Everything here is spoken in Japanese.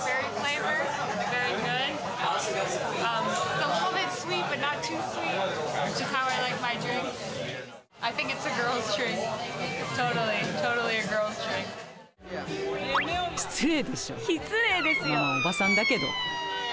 まあおばさんだけど。